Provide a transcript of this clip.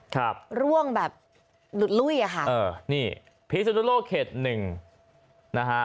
ครับร่วงแบบหลุดลุ้ยอ่ะค่ะเออนี่พิศนุโลกเขตหนึ่งนะฮะ